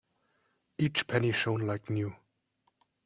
Each penny shone like new.